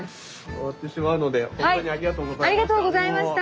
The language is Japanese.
終わってしまうのでほんとにありがとうございました。